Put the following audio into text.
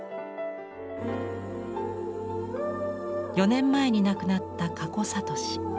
４年前に亡くなったかこさとし。